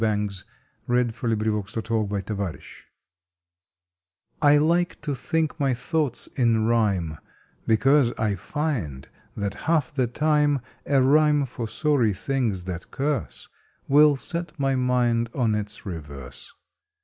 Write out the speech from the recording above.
August Twenty second REACTIONS OF RHYME T LIKE to think my thoughts in rhyme Because I find that half the time A rhyme for sorry things that curse Will set my mind on its reverse.